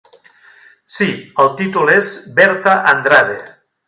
Sí, el títol és Berta Andrade.